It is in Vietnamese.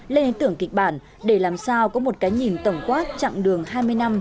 lên ý tưởng kịch bản để làm sao có một cái nhìn tổng quát chặng đường hai mươi năm